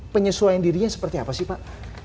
penyesuaian dirinya seperti apa sih pak